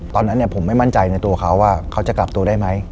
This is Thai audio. ตอนนั้นผมไม่มั่นใจในตัวเขาว่าเขาจะกลับตัวได้ไหม